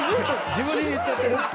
自分で言っちゃってる。